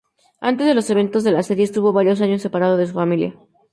Antes de los eventos de la serie, estuvo varios años separado de su familia.